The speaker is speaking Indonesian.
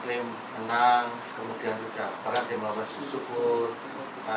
apakah dia melakukan susukur